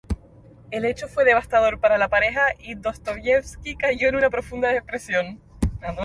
El hecho fue devastador para la pareja, y Dostoyevski cayó en una profunda depresión.